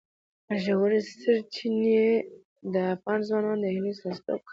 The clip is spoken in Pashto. ژورې سرچینې د افغان ځوانانو د هیلو استازیتوب کوي.